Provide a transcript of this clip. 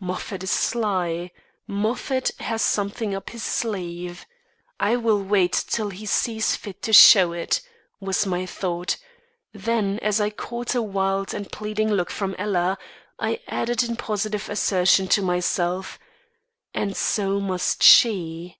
"Moffat is sly. Moffat has something up his sleeve. I will wait till he sees fit to show it," was my thought; then, as I caught a wild and pleading look from Ella, I added in positive assertion to myself, "And so must she."